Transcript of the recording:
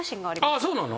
あっそうなの？